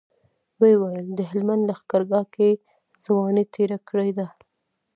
ويې ويل د هلمند لښکرګاه کې ځواني تېره کړې ده.